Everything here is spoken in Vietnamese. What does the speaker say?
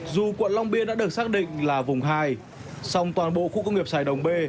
dù quận long biên đã được xác định là vùng hai song toàn bộ khu công nghiệp sài đồng b